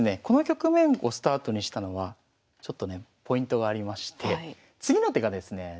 この局面をスタートにしたのはちょっとねポイントがありまして次の手がですね